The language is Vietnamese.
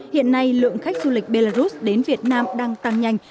hiện nay lượng khách du lịch belarus đến việt nam đang tăng nhanh